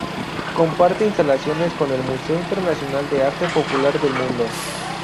Comparte instalaciones con el Museo Internacional de Arte Popular del Mundo.